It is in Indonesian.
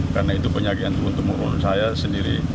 karena itu penyakit yang untung untung saya sendiri